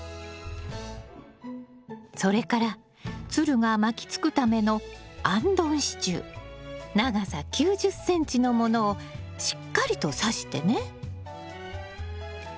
それからつるが巻きつくための長さ９０ｃｍのものをしっかりとさしてね。